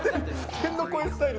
天の声スタイル。